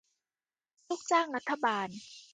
ลูกจ้างรัฐบาล